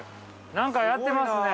◆何かやってますね。